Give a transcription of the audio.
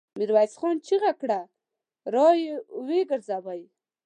ميرويس خان چيغه کړه! را ويې ګرځوئ!